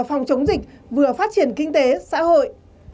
phòng chống dịch vừa phát triển kinh tế xã hội